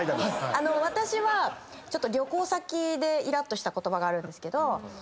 私はちょっと旅行先でイラッとした言葉があるんですけど。